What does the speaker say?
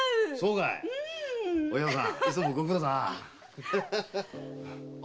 お葉さんいつもご苦労だなあ。